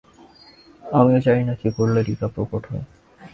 আমিও জানি না কী করলে রিকা প্রকট হয়।